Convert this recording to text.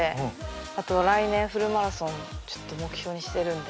あと来年フルマラソンちょっと目標にしてるんで。